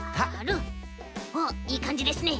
おっいいかんじですね。